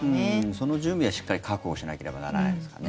その準備はしっかり確保しなければならないですね。